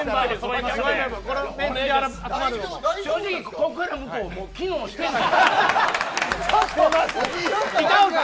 正直、ここから向こうは機能してない。